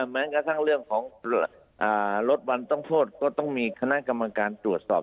แม้กระทั่งเรื่องของลดวันต้องโทษก็ต้องมีคณะกรรมการตรวจสอบ